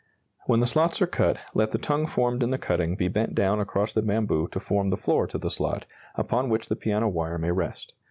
When the slots are cut, let the tongue formed in the cutting be bent down across the bamboo to form the floor to the slot, upon which the piano wire may rest.